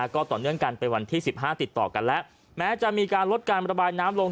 ก็ต่อเนื่องกันไปวันที่สิบห้าติดต่อกันแล้วแม้จะมีการลดการระบายน้ำลง